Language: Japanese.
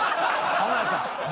浜田さん。